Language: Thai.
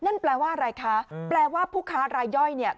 นั่นแปลว่าอะไรคะแปลว่าผู้ค้ารายย่อยเนี่ย